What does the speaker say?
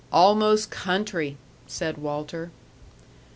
"Almost country," said Walter.